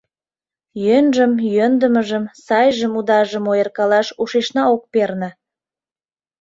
Йӧнжым, йӧндымыжым, сайжым-удажым ойыркалаш ушешна ок перне.